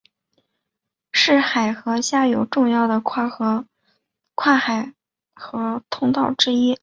是海河下游重要的跨海河通道之一。